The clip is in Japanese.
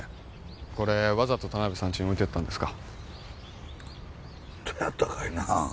これわざと田辺さんちに置いてったんですかどうやったかいな？